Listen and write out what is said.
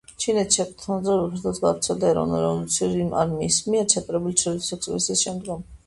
ჩინეთში საბჭოთა მოძრაობა ფართოდ გავრცელდა ეროვნული-რევოლუციური არმიის მიერ ჩატარებული ჩრდილოეთის ექსპედიციის შემდგომ.